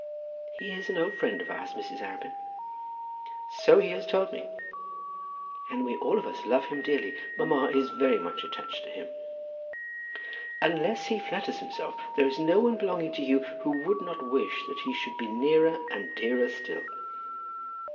"He is an old friend of ours, Mrs. Arabin." "So he has told me." "And we all of us love him dearly. Mamma is very much attached to him." "Unless he flatters himself, there is no one belonging to you who would not wish that he should be nearer and dearer still."